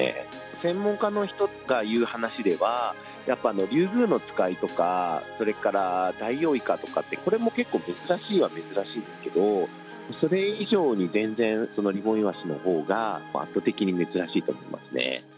専門家の人が言う話では、やっぱリュウグウノツカイとか、それからダイオウイカとかって、これも結構珍しいは珍しいですけど、それ以上に全然、そのリボンイワシのほうが、圧倒的に珍しいと思